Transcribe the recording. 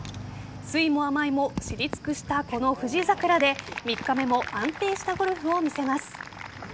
酸いも甘いも知り尽くしたこの富士桜で３日目も安定したゴルフを見せます。